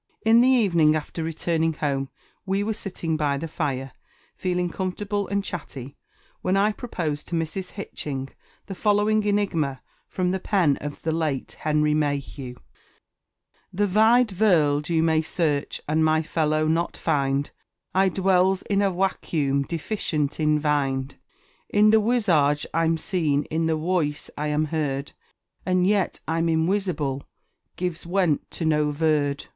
In the evening, after returning home, we were sitting by the fire, feeling comfortable and chatty, when I proposed to Mrs. Hitching the following enigma from the pen of the late Henry Mayhew: The Vide Vorld you may search, and my fellow not find; I dwells in a Wacuum, deficient in Vind; In the Wisage I'm seen in the Woice I am heard, And yet I'm inwisible, gives went to no Vurd.